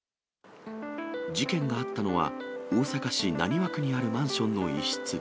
事件があったのは、大阪市浪速区にあるマンションの一室。